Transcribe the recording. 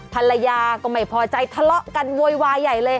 ภรรยากับภาพปอดีกว่าให้ข้าปลอดภัยกันเวอะใหญ่เลย